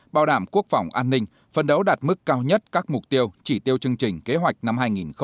bảo đảm quốc phòng an ninh phân đấu đạt mức cao nhất các mục tiêu chỉ tiêu chương trình kế hoạch năm hai nghìn hai mươi